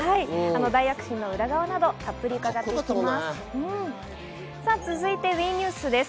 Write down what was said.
大躍進の裏側などたっぷり伺います。